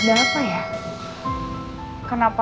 jadi recoakan aja